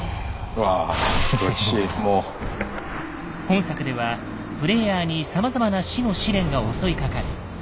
本作ではプレイヤーにさまざまな死の試練が襲いかかる。